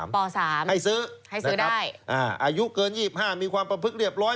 ป๓ให้ซื้อให้ซื้อได้อายุเกิน๒๕มีความประพฤกษเรียบร้อย